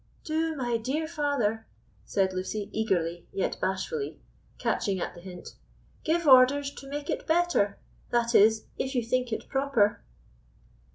"Do, my dear father," said Lucy, eagerly, yet bashfully, catching at the hint, "give orders to make it better; that is, if you think it proper."